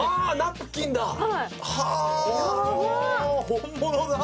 本物だ。